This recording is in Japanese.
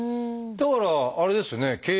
だからあれですよね？